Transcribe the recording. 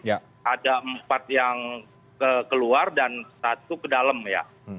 ada empat yang keluar dan satu ke dalam ya